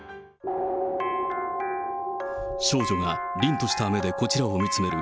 少女が凛とした目でこちらを見つめる